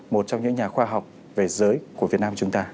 một trong những nhà khoa học về giới của việt nam chúng ta